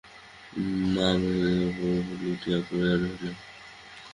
মা মেজের উপরে লুটাইয়া পড়িয়া রহিলেন।